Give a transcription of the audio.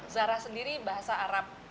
zarah sendiri bahasa arab